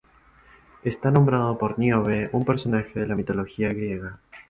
Está nombrado por Níobe, un personaje de la mitología griega.